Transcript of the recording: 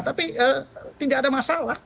tapi tidak ada masalah